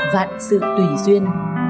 vạn sự tùy duyên